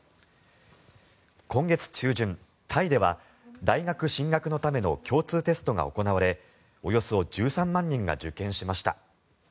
今月中旬、タイでは大学進学のための共通テストが行われおよそ１３万人が受験しました。